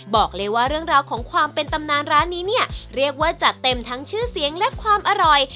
บอกเลยว่าเรื่องราวของความเป็นตำนานร้านนี้เนี่ยเรียกว่าจัดเต็มทั้งชื่อเสียงและความอร่อย